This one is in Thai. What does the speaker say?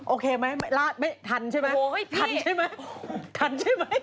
โอเคไหมทันใช่ไหมทันใช่ไหมทันใช่ไหม